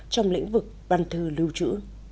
trong lĩnh vực văn thư lưu trữ